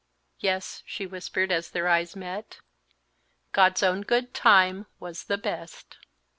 "Yes," she whispered, as their eyes met, "'God's own good time' was the best."